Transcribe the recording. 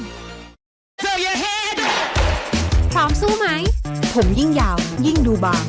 ช่วยประปรุงให้ผมที่ยาวและดูหนา